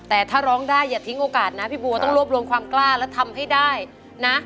แต่ถ้าร้องได้อย่าทิ้งโอกาสนะพี่บัวต้องรวบรวมความกล้าและทำให้ได้นะ